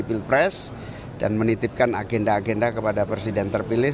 pilpres dan menitipkan agenda agenda kepada presiden terpilih